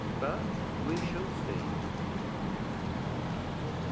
But we shall see."